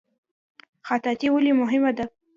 خطاطي ولې مهمه ده؟